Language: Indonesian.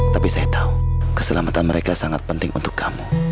tapi saya tahu keselamatan mereka sangat penting untuk kamu